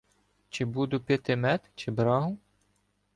Чи буду пити мед, чи брагу?